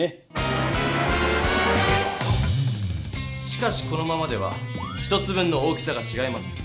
しかしこのままでは１つ分の大きさがちがいます。